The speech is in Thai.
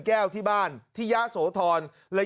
การนอนไม่จำเป็นต้องมีอะไรกัน